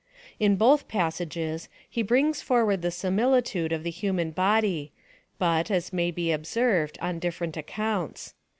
In both passages, he brings forward the similitude of the human body, but, as may be observed, on different accounts.